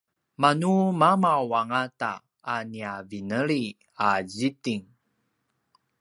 manu mamav angata a nia vineli a zitting